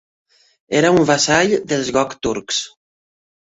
Era un vassall dels Gokturks.